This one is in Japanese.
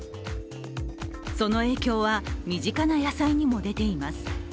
その影響は身近な野菜にも出ています。